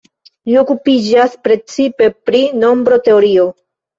Li okupiĝas precipe pri nombroteorio.